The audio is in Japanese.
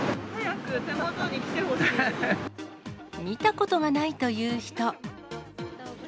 見たことがないという人。